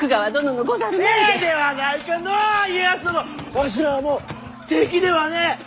わしらはもう敵ではねえ。